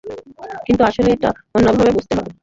কিন্তু আসলে এটা অন্যভাবে বুঝতে হবে।